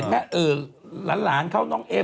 จากธนาคารกรุงเทพฯ